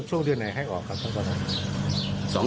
ช่วงเดือนไหนให้ออกครับท่านกรรมรันดร์